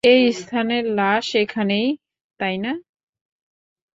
এস্থারের লাশ এখানেই, তাই না?